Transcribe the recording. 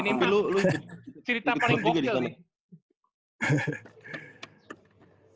cerita paling bokeh ini